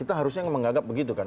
kita harusnya menganggap begitu kan